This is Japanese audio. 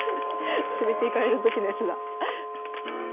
連れていかれた時のやつだ。